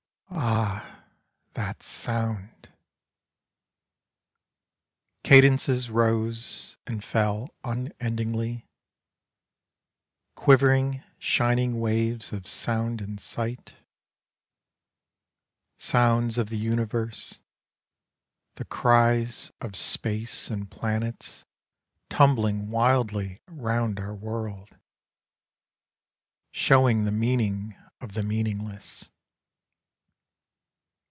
Ah, that sound ! Cadences rose and fell unendingly — Quivering shining waves of sound and sight — Sounds of the universe — the cries of space And planets tumbling wildly round our world — Showing the meaning of the meaningless.